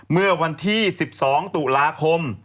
เมื่อวันที่๑๒ตุลาคม